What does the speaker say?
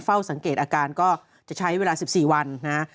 เฝ้าสังเกตอาการก็จะใช้เวลา๑๔วันนะฮะ